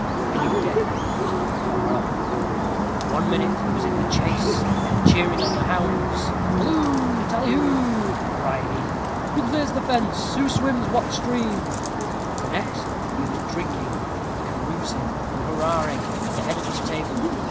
I knew death was not far off then. One minute he was in the chase, cheering on the hounds. 'Halloo! tallyho!' cried he: 'who clears that fence? who swims that stream?' The next, he was drinking, carousing, and hurrahing, at the head of his table.